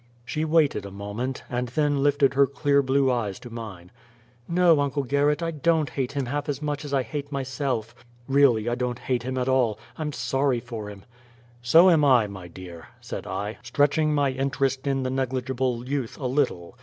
She waited a moment, and then lifted her clear blue eyes to mine. "No, Uncle Gerrit, I don't hate him half as much as I hate myself. Really, I don't hate him at all. I'm sorry for him." "So am I, my dear," said I, stretching my interest in the negligible youth a little.